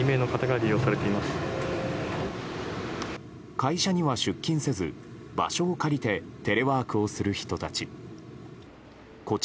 会社には出勤せず場所を借りてテレワークをする人たち。